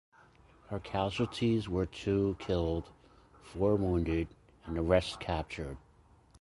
Her casualties were two killed, four wounded, and the rest captured.